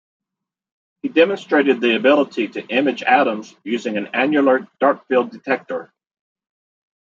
He demonstrated the ability to image atoms using an annular dark field detector.